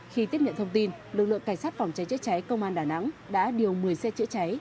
khi tiếp nhận thông tin lực lượng cảnh sát phòng cháy chữa cháy công an đà nẵng đã điều một mươi xe chữa cháy